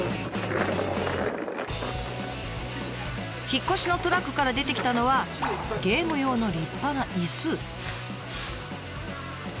引っ越しのトラックから出てきたのはゲーム用の立派な椅子。